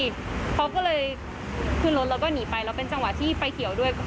เขาก็เลยขึ้นรถแล้วก็หนีไปแล้วเป็นจังหวะที่ไฟเขียวด้วย